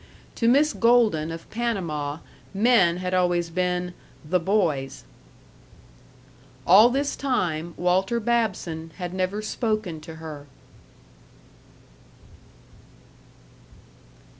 To Miss Golden of Panama men had always been "the boys." All this time Walter Babson had never spoken to her.